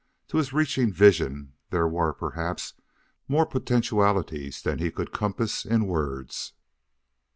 To his reaching vision there were, perhaps, more potentialities than he could compass in words.